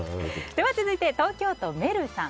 続いて、東京都の方。